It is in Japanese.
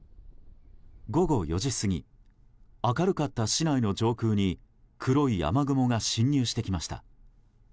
午後４時過ぎ明るかった市内の上空に黒い雨雲が侵入してきました。